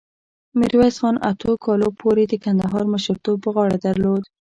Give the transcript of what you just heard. میرویس خان اتو کالو پورې د کندهار مشرتوب په غاړه درلود.